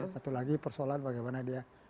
satu lagi persoalan bagaimana dia